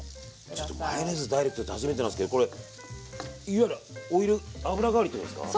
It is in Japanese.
ちょっとマヨネーズダイレクトって初めてなんですけどこれいわゆるオイル油代わりってことですか？